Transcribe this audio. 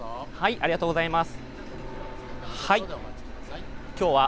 ありがとうございます。